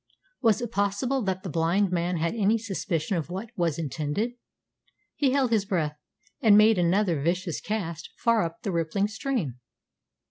Was it possible that the blind man had any suspicion of what was intended? He held his breath, and made another vicious cast far up the rippling stream.